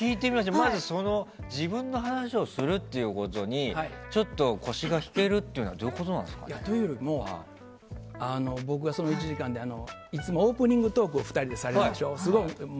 まず自分の話をするということに腰が引けるというのはどういうことなんですかね？というよりもいつもオープニングトークを２人でされるでしょ。